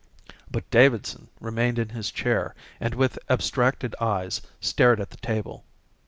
But Davidson remained in his chair and with abstracted eyes stared at the table.